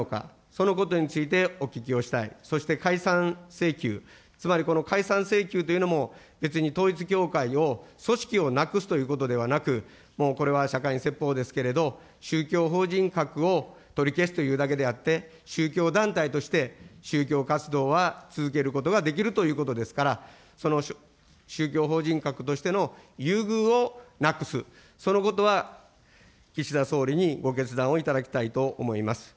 そのことについて、お聞きをしたい、そして解散請求、つまりこの解散請求というのも、別に統一教会を組織をなくすということではなく、もうこれは釈迦に説法ですけれども、宗教法人格を取り消すというだけであって、宗教団体として、宗教活動は続けることができるということですから、その宗教法人格としての優遇をなくす、そのことは、岸田総理にご決断をいただきたいと思います。